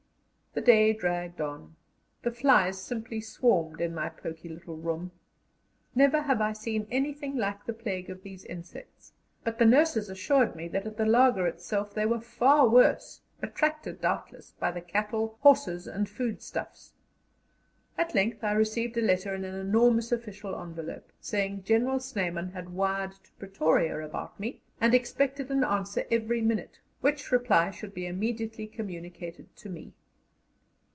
The day dragged on; the flies simply swarmed in my poky little room. Never have I seen anything like the plague of these insects, but the nurses assured me that at the laager itself they were far worse, attracted, doubtless, by the cattle, horses, and food stuffs. At length I received a letter in an enormous official envelope, saying General Snyman had wired to Pretoria about me, and expected an answer every minute, which reply should be immediately communicated to me.